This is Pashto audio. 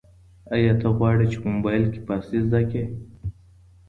ایا ته غواړې چي په موبایل کي فارسي زده کړې؟